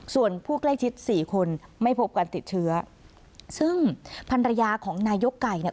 ส่วนผู้ใกล้ชิดสี่คนไม่พบการติดเชื้อซึ่งภรรยาของนายกไก่เนี่ย